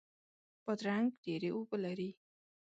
بادرنګ ډیرې اوبه لري.